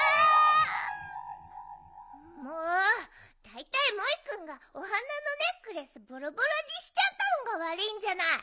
だいたいモイくんがお花のネックレスぼろぼろにしちゃったのがわるいんじゃない！